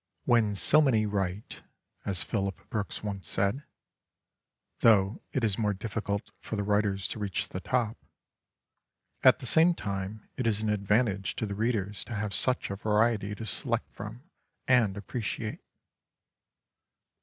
When so many write, as Phillip Brooks once said, — though it is more difficult for the writers to reach the top, — at the same time it is an advantage to the readers to have such a variety to select from and appreciate.